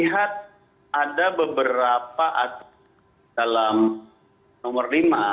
lihat ada beberapa aturan dalam nomor lima dua ribu delapan belas